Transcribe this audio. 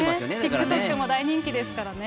ＴｉｋＴｏｋも大人気ですからね。